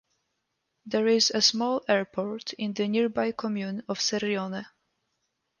There is a small airport in the nearby comune of Cerrione.